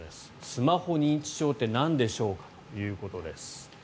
スマホ認知症ってなんでしょうかということです。